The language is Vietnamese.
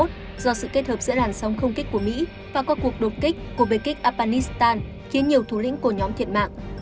do sự kết hợp giữa làn sóng không kích của mỹ và các cuộc đột kích của bệnh kích afghanistan khiến nhiều thủ lĩnh của nhóm thiệt mạng